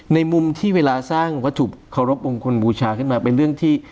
ในมุมที่เวลาสร้างวัตถุเคารพมงคลบูชาขึ้นมาเป็นเรื่องที่